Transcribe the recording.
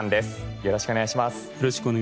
よろしくお願いします。